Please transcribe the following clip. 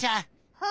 はあ？